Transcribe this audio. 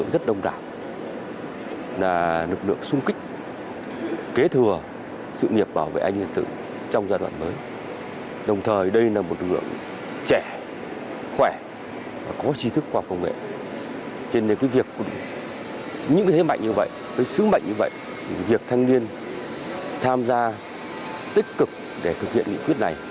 với sứ mệnh như vậy việc thanh niên tham gia tích cực để thực hiện nghị quyết này